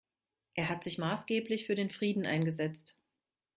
Er hat sich maßgeblich für den Frieden eingesetzt.